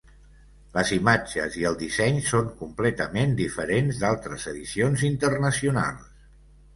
Les imatges i el disseny són completament diferents d'altres edicions internacionals.